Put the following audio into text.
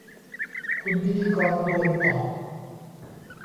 คุณพิธีกรโดนตอก